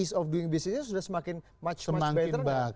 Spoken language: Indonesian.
ease of doing businessnya sudah semakin much better